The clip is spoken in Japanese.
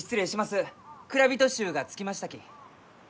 蔵人衆が着きましたき。